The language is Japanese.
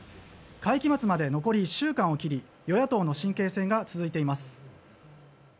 会期末まで残り１週間を切り与野党の神経戦が続いています。